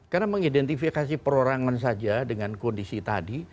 karena mengidentifikasi perorangan saja dengan kondisi tadi